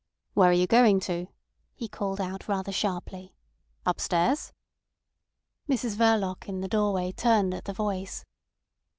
"Where are you going to?" he called out rather sharply. "Upstairs?" Mrs Verloc in the doorway turned at the voice.